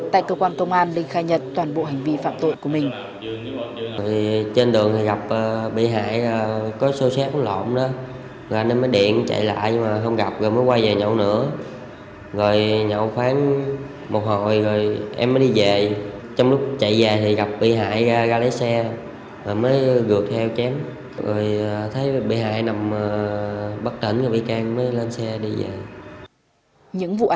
tại cơ quan công an linh khai nhật toàn bộ hành vi phạm tội của mình